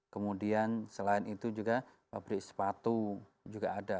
kemudian selain itu juga pabrik sepatu juga ada